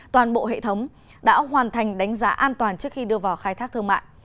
toàn bộ hệ thống đã hoàn thành đánh giá an toàn trước khi đưa vào khai thác thương mại